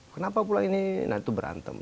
kenapa pulang ini nah itu berantem